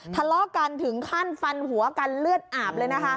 ทะเลาะกันถึงขั้นฟันหัวกันเลือดอาบเลยนะคะ